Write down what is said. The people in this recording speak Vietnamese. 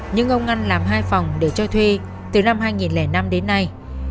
nhưng ông ngân làm hai phòng để cho thuê từ năm hai nghìn năm đến nay